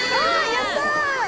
やった！